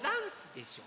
でしょ。